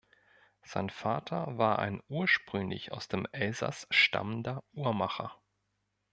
Sein Vater war ein ursprünglich aus dem Elsass stammender Uhrmacher.